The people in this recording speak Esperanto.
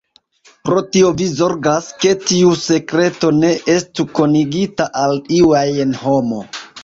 Pro tio vi zorgas, ke tiu sekreto ne estu konigita al iu ajn homo.